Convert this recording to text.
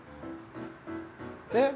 えっ？